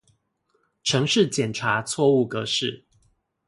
程式檢查錯誤格式